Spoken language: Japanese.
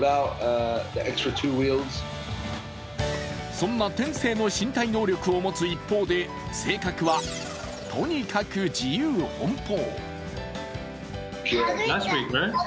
そんな天性の身体能力を持つ一方で性格は、とにかく自由奔放。